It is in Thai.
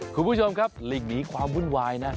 คุณผู้ชมครับหลีกหนีความวุ่นวายนะ